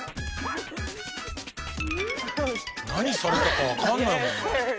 何されたかわかんないもんな。